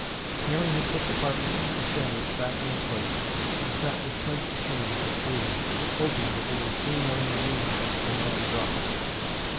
Mary had put the partly eaten sandwich back on her plate and sat with clenched hands waiting—hoping that they would soon learn the news which the man brought.